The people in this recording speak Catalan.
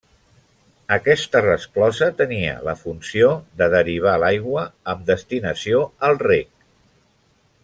Aquesta resclosa tenia la funció de derivar l'aigua amb destinació al reg.